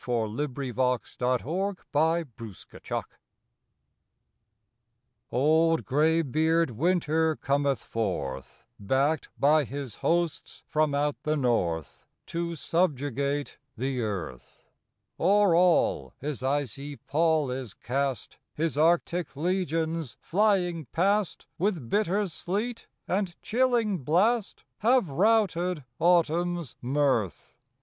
November Thirtieth THE ICY ROAD (~\LD graybeard Winter cometh forth ^^^ Backed by his hosts from out the North To subjugate the earth. O er all his icy pall is cast His Arctic legions flying past With bitter sleet and chilling blast Have routed Autumn s mirth.